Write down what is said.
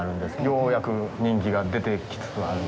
ようやく人気が出てきつつある。